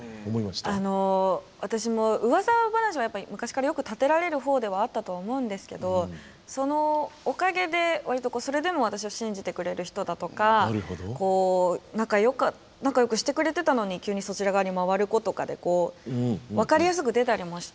あの私もうわさ話はやっぱり昔からよく立てられる方ではあったと思うんですけどそのおかげで割とそれでも私を信じてくれる人だとか仲よくしてくれてたのに急にそちら側に回る子とかで分かりやすく出たりもしたんで。